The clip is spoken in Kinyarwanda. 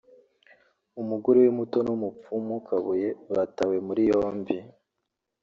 umugore we muto n’umupfumu Kabuye batawe muri yombi